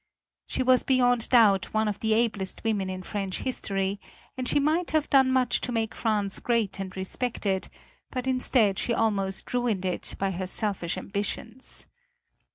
She was beyond doubt one of the ablest women in French history and she might have done much to make France great and respected, but instead she almost ruined it by her selfish ambitions.